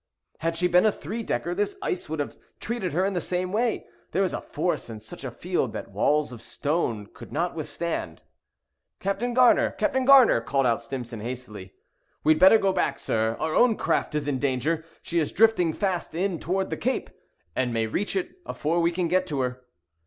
"Had she been a three decker, this ice would have treated her in the same way. There is a force in such a field that walls of stone could not withstand." "Captain Gar'ner—Captain Gar'ner," called out Stimson, hastily; "we'd better go back, sir; our own craft is in danger. She is drifting fast in towards the cape, and may reach it afore we can get to her!"